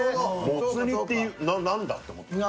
もつ煮って何だ？って思った。